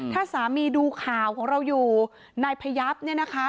ถ้าสามีดูข่าวของเราอยู่นายพยับเนี่ยนะคะ